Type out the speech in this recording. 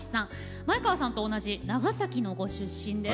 前川さんと同じ長崎のご出身です。